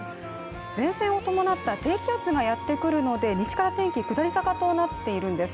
前線を伴った低気圧がやってくるので西から天気、下り坂となっているんです。